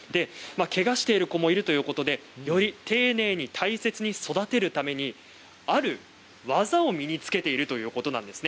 けがをしている子もいるということでより丁寧に大切に育てるためにある技を身につけているということなんです。